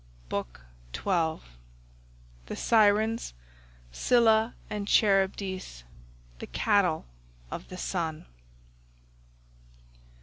BOOK XII THE SIRENS, SCYLLA AND CHARYBDIS, THE CATTLE OF THE SUN.